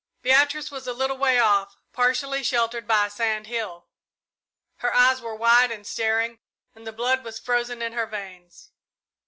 Beatrice was a little way off, partially sheltered by a sand hill. Her eyes were wide and staring, and the blood was frozen in her veins.